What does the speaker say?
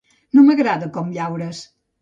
No m'agrada com llaures.